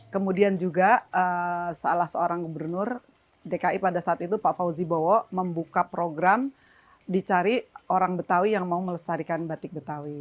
kemudian juga salah seorang gubernur dki pada saat itu pak fauzi bowo membuka program dicari orang betawi yang mau melestarikan batik betawi